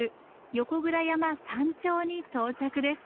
横倉山山頂に到着です。